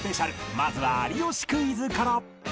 まずは『有吉クイズ』から